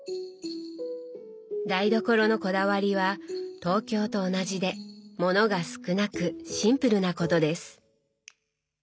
台所のこだわりは東京と同じで物が少なくシンプルなことです。